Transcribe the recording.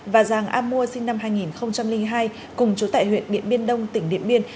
và giang a mua sinh năm hai nghìn hai cùng trú tại huyện biện biên đông tỉnh điện biên